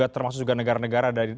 termasuk juga negara negara